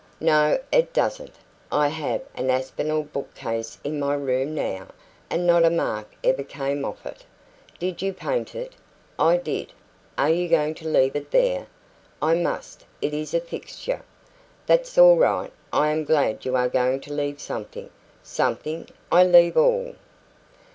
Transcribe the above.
"No, it doesn't. I have an Aspinalled book case in my room now, and not a mark ever came off it." "Did you paint it?" "I did." "Are you going to leave it there?" "I must. It is a fixture." "That's all right. I am glad you are going to leave something." "Something? I leave all."